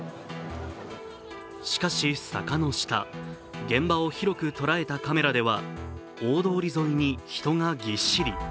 しかし坂の下、現場を広く捉えたカメラでは大通り沿いに人がぎっしり。